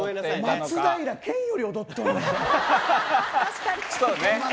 松平健より踊ってるねん。